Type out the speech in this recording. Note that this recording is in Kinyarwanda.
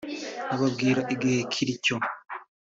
nkababwira igihe kiri cyo